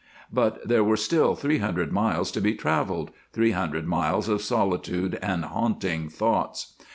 But there were still three hundred miles to be traveled, three hundred miles of solitude and haunting thoughts.